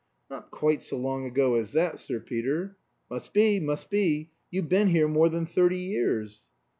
"Not quite so long ago as that, Sir Peter." "Must be, must be; you've been here more than thirty years."